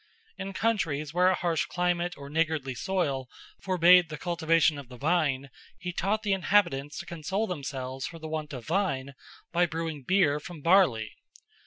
In countries where a harsh climate or niggardly soil forbade the cultivation of the vine, he taught the inhabitants to console themselves for the want of wine by brewing beer from barley.